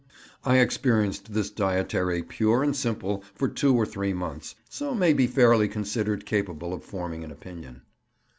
I experienced this dietary, pure and simple, for two or three months, so may be fairly considered capable of forming an opinion.